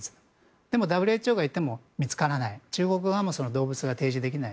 でもＷＨＯが行っても見つからない中国側も動物が提示できない。